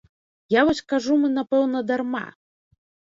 Я вось кажу мы, напэўна, дарма.